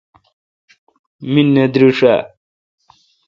می نہ درݭ اؘ۔